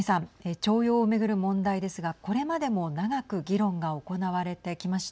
徴用を巡る問題ですがこれまでも長く議論が行われてきました。